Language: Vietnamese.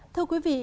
thưa quý vị